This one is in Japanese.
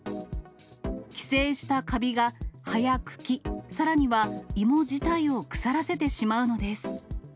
寄生したカビが、葉や茎、さらには芋自体を腐らせてしまうのです。